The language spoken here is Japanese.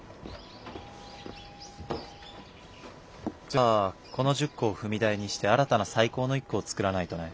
じゃあこの１０個を踏み台にして新たな最高の１個を作らないとね。